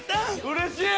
うれしい。